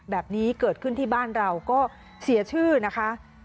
แบบนี้เกิดขึ้นที่บ้านเราก็เสียชื่อนะคะ